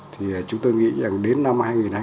thì chúng tôi nghĩ rằng đến năm hai nghìn hai mươi